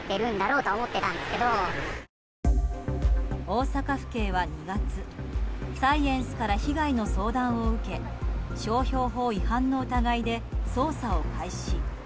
大阪府警は２月サイエンスから被害の相談を受け商標法違反の疑いで捜査を開始。